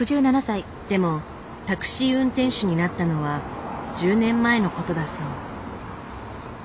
でもタクシー運転手になったのは１０年前のことだそう。